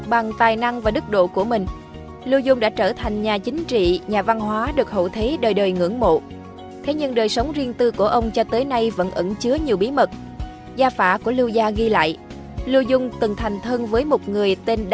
bằng tài năng và đức độ của mình lưu dung đã trở thành nhà chính trị nhà văn hóa được hậu thế đời đời ngưỡng mộ